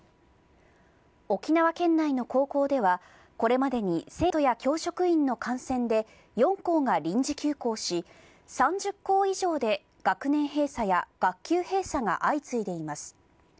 沖縄県内の高校では、これまでに生徒や教職員の感染で４校が臨時休校し、３０校以上で学年閉鎖や学級閉鎖が相次いでいます。